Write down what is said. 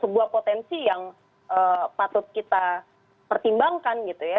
sebuah potensi yang patut kita pertimbangkan gitu ya